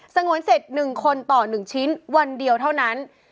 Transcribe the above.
งวนเสร็จ๑คนต่อ๑ชิ้นวันเดียวเท่านั้น